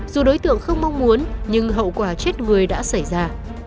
dù đối tượng không mong muốn nhưng hậu quả chết người đã xảy ra